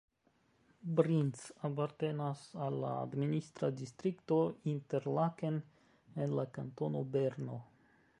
Brienz apartenas al la administra distrikto Interlaken en la kantono Berno.